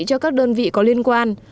cho các đơn vị có liên quan